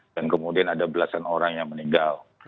dan kemudian ada belasan orang yang meninggal